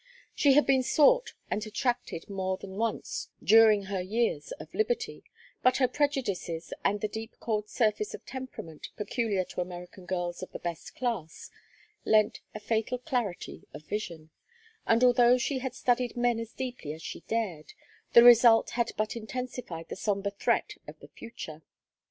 She had been sought and attracted more than once during her years of liberty, but her prejudices and the deep cold surface of temperament peculiar to American girls of the best class, lent a fatal clarity of vision; and although she had studied men as deeply as she dared, the result had but intensified the sombre threat of the future.